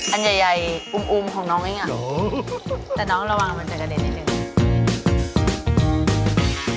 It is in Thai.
อันใหญ่อุ้มของน้องนี่ไงแต่น้องระวังว่ามันจะกระเด็นนิดนึง